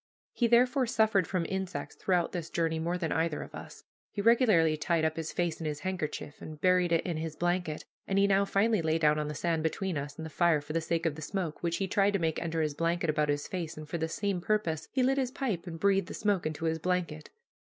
He, therefore, suffered from insects throughout this journey more than either of us. He regularly tied up his face in his handkerchief, and buried it in his blanket, and he now finally lay down on the sand between us and the fire for the sake of the smoke, which he tried to make enter his blanket about his face, and for the same purpose he lit his pipe and breathed the smoke into his blanket.